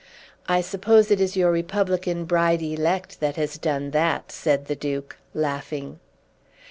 "I suppose it is your republican bride elect that has done that," said the Duke, laughing.